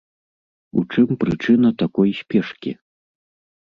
У чым прычына такой спешкі?